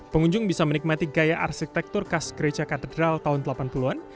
pengunjung bisa menikmati gaya arsitektur khas gereja katedral tahun delapan puluh an